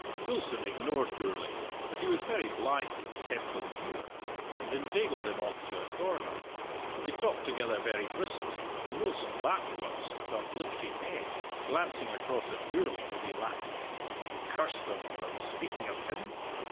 Wilson ignored Gourlay, but he was very blithe with Templandmuir, and inveigled him off to a corner. They talked together very briskly, and Wilson laughed once with uplifted head, glancing across at Gourlay as he laughed. Curse them, were they speaking of him?